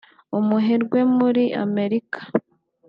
umuherwe muri Amerika